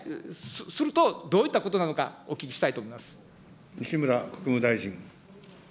すると、どういったことなのか、お聞きしたいと思います。